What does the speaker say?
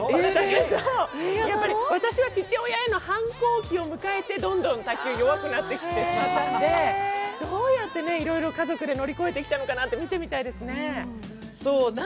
私は父親への反抗期を迎えて、どんどん卓球弱くなっていったので、どうやっていろいろ家族で乗り越えてきたのかなって見てみたいですね。